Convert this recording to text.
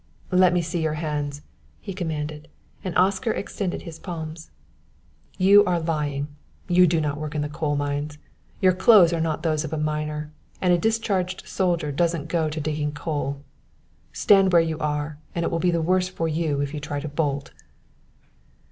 "Let me see your hands," he commanded; and Oscar extended his palms. "You are lying; you do not work in the coal mines. Your clothes are not those of a miner; and a discharged soldier doesn't go to digging coal. Stand where you are, and it will be the worse for you if you try to bolt."